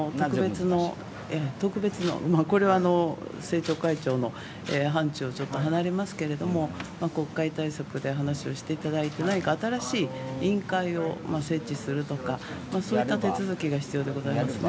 特別のこれは政調会長の範ちゅうを離れますけども国会対策で話をしていただいて、何か新しい委員会を設置するとかそういった手続が必要でございますね。